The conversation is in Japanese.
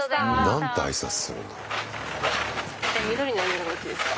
何て挨拶するんだろう？